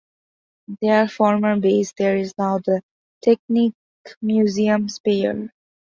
Their former base there is now the Technikmuseum Speyer.